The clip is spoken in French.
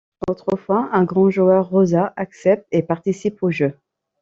Autrefois un grand joueur, Rosa accepte et participe au jeu.